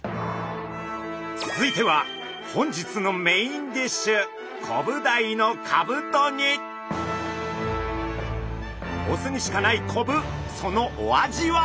続いては本日のメインディッシュオスにしかないコブそのお味は？